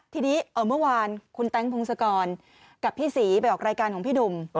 ทีนี้เมื่อวานคุณแต๊งพงศกรกับพี่ศรีไปออกรายการของพี่หนุ่ม